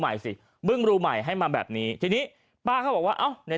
ใหม่สิบึ้งรูใหม่ให้มาแบบนี้ทีนี้ป้าเขาบอกว่าเอ้าใน